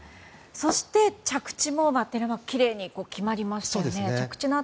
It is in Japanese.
そして着地も、テレマークきれいに決まりましたよね。